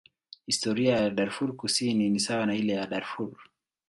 Historia ya Darfur Kusini ni sawa na ile ya Darfur.